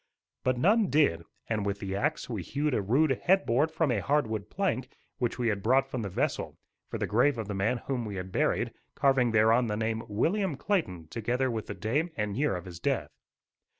But none did, and, with the axe, we hewed a rude head board from a hard wood plank which we had brought from the vessel, for the grave of the man whom we had buried, carving thereon the name "William Clayton," together with the day and year of his death.